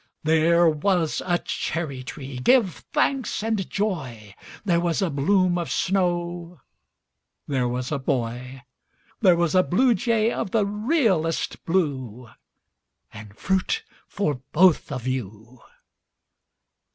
There was a cherry tree, give thanks and joy! There was a bloom of snow There was a boy There was a bluejay of the realest blue And fruit for both of you.